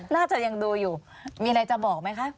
น่าจะยังดูอยู่มีอะไรจะบอกไหมคะ